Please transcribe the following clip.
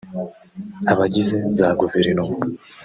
abagize za guverinoma